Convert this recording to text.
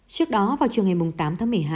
trước đó vào trường hình tám tháng một mươi hai